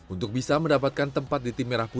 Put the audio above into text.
untuk bisa mendapatkan tempat di tim merah putih